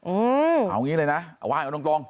เอาอย่างงี้เลยนะเอาว่าอย่างตรง